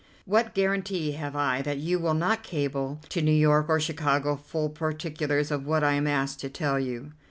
What guarantee have I that you will not cable to New York or Chicago full particulars of what I am asked to tell you."